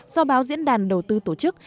do báo diễn đàn đầu tư tổ chức